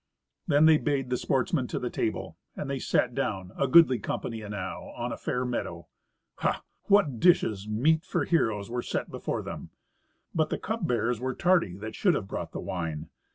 Then they bade the sportsmen to the table, and they sat down, a goodly company enow, on a fair meadow. Ha! what dishes, meet for heroes, were set before them. But the cup bearers were tardy, that should have brought the wine.